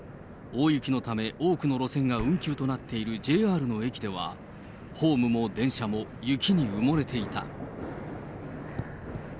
大雪のため、多くの路線が運休となっているＪＲの駅では、ホームも電車も雪に埋もれていた。